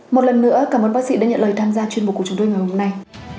một lần nữa cảm ơn bác sĩ đã nhận lời tham gia chuyên mục của chúng tôi ngày hôm nay